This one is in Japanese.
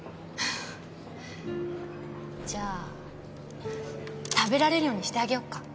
じゃあ食べられるようにしてあげようか？